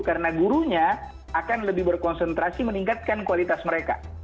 karena gurunya akan lebih berkonsentrasi meningkatkan kualitas mereka